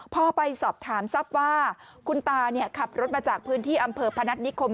พอไปสอบถามทรัพย์ว่าคุณตาขับรถมาจากพื้นที่อำเภอพนัฐนิคม